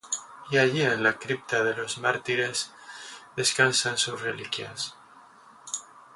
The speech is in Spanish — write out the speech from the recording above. Y allí, en la Cripta de los Mártires, descansan sus reliquias.